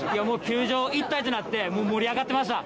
球場一体となって盛り上がってました。